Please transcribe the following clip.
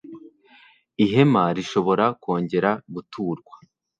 ihema rishobora kongera guturwa